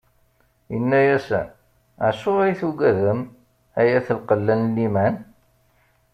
Inna-asen: Acuɣer i tugadem, ay at lqella n liman?